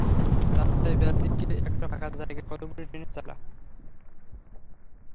রাস্তার ব্যদিকে একটা ফাকা জায়গায় কতকগুলি টিনের চালা।